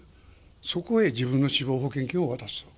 そこへ自分の死亡保険金を渡すと。